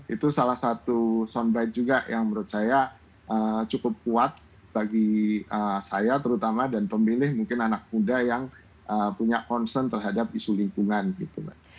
itu salah satu soundbite juga yang menurut saya cukup kuat bagi saya terutama dan pemilih mungkin anak muda yang punya concern terhadap isu lingkungan gitu mbak